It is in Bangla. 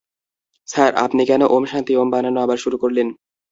স্যার আপনি কেন ওম শান্তি ওম বানানো আবার শুরু করলেন?